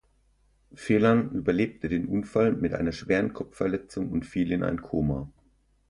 Phelan überlebte den Unfall mit einer schweren Kopfverletzung und fiel in ein Koma.